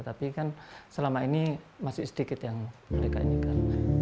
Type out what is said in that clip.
tapi kan selama ini masih sedikit yang mereka inginkan